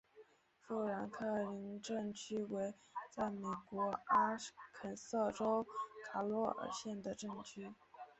富兰克林镇区为位在美国阿肯色州卡洛尔县的镇区。